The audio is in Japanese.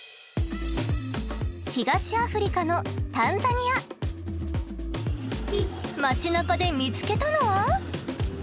東アフリカの街なかで見つけたのは。